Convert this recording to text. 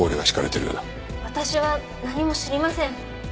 私は何も知りません。